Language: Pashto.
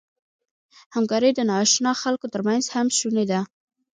همکاري د ناآشنا خلکو تر منځ هم شونې ده.